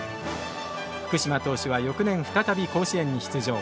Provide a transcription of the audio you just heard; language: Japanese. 福嶋投手は翌年、再び甲子園に出場。